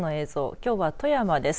きょうは富山です。